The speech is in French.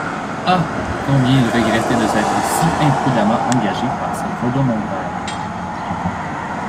Ah! combien il regrettait de s’être si imprudemment engagé par ses rodomontades.